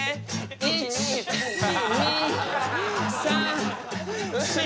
１２３４。